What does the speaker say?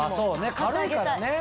軽いからね。